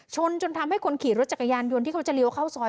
จนทำให้คนขี่รถจักรยานยนต์ที่เขาจะเลี้ยวเข้าซอย